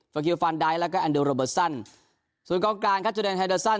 เฟอร์คิวฟานดายแล้วก็อันเดลโรเบอร์ซันส่วนกองการคัจจุเดนแฮดเตอร์ซัน